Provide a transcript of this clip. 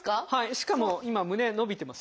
しかも今胸伸びてますよ。